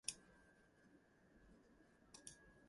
The game is based on the "Ghost Recon" game engine.